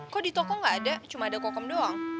kok lo gak ada cuma ada kokom doang